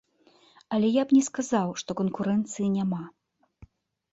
Але я б не сказаў, што канкурэнцыі няма.